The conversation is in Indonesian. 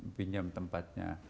ini pinjam tempatnya